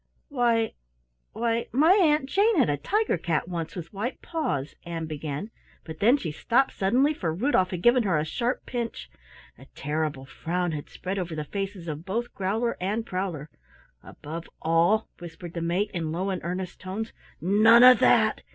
"Why why my Aunt Jane had a tiger cat once with white paws " Ann began, but then she stopped suddenly, for Rudolf had given her a sharp pinch. A terrible frown had spread over the faces of both Growler and Prowler. "Above all," whispered the mate in low and earnest tones, "none of that!